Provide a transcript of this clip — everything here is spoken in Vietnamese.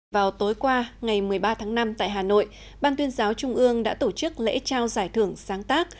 vào tối qua ngày một mươi ba tháng năm tại hà nội ban tuyên giáo trung ương đã tổ chức lễ trao giải thưởng sáng tác